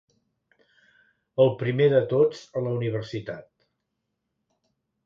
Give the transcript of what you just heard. El primer de tots a la Universitat.